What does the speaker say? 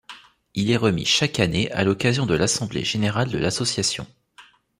Il est remis chaque année à l’occasion de l'assemblée générale de l’association.